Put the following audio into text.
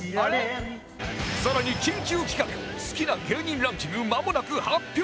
更に緊急企画好きな芸人ランキングまもなく発表！